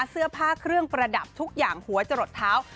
เสื้อผ้าเครื่องประดับทุกอย่างหัวจะหลดเท้า